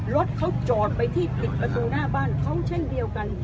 รถเขาจอดไปที่ปิดประตูหน้าบ้านเขาเช่นเดียวกัน